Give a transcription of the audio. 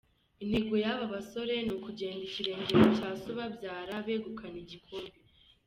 Intego y’aba basore ni ukugera ikirenge mu cya se ubabyara begukana igikombe.